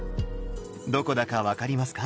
どこだか分かりますか？